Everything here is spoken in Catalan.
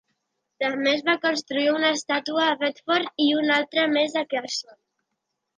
També es va construir una estàtua a Bedford i una altra més a Kherson.